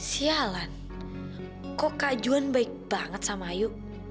sialan kok kak juan baik banget sama ayu